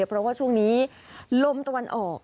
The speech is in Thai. เพราะว่าช่วงนี้ลมตะวันออก